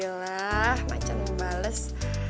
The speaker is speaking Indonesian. alhamdulillah macan membales